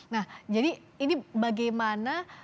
nah jadi ini bagaimana